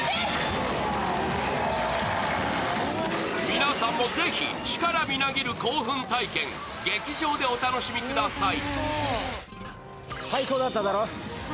皆さんもぜひ、力みなぎる興奮体験、劇場でお楽しみください。